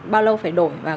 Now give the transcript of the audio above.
bao lâu phải đổi